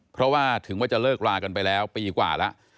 เพราะว่าถึงว่าจะเลิกรากันไปแล้วปีกว่าแล้ว